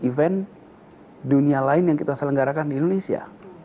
event dunia lain yang kita selenggarakan di indonesia